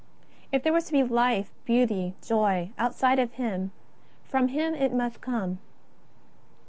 If there was to be life, beauty, joy, outside of Him, from Him it must come.